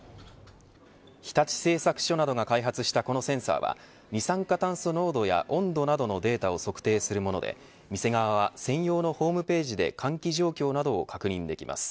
日立製作所などが開発したこのセンサーは二酸化炭素濃度や温度などのデータを測定するもので店側は、専用のホームページで換気状況などを確認できます。